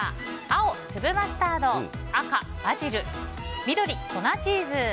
青、粒マスタード赤、バジル緑、粉チーズ。